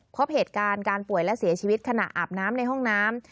พบเหตุการณ์การป่วยและเสียชีวิตขณะอาบน้ำในห้องน้ำ